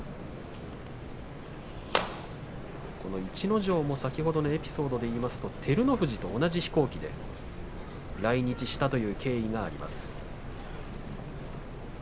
逸ノ城も先ほどのエピソードでいいますと照ノ富士と同じ飛行機で日本にやって来ました。